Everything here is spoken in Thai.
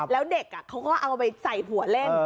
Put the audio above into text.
แล้วเด็กเขาก็เอาไปใส่หัวเล่น